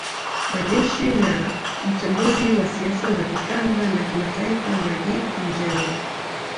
Mwandishi na mchambuzi wa siasa za kikanda na kimataifa Maggid Mjengwa